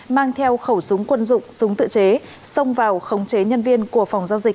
mang theo khẩu súng quân dụng súng tự chế xông vào khống chế nhân viên của phòng giao dịch